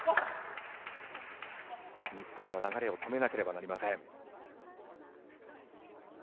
日本は流れを止めなければなりません。